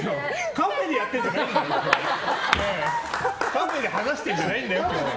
カフェで話してるんじゃないんだよ！